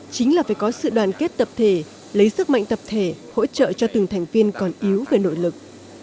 chính là phải có sự đoàn kết tập thể lấy sức mạnh tập thể hỗ trợ cho từng thành viên còn yếu về nội lực